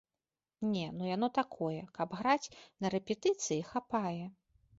Не, ну яно такое, каб граць на рэпетыцыі, хапае.